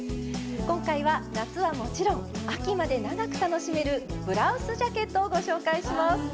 今回は夏はもちろん秋まで長く楽しめるブラウスジャケットをご紹介します。